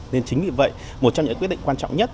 nên chính vì vậy một trong những quyết định quan trọng nhất